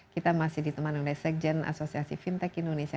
kita masih diteman oleh sekjen asosiasi fintech indonesia